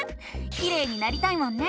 きれいになりたいもんね！